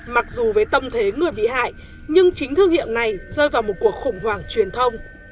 mặc dù với tâm thế người bị hại nhưng chính thương hiệu này rơi vào một cuộc khủng hoảng truyền thông